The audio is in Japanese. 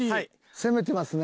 攻めてますね。